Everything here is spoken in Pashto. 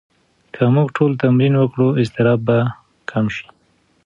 که موږ ټول تمرین وکړو، اضطراب به کم شي.